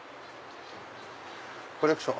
「コレクション」